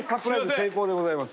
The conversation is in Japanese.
成功でございます。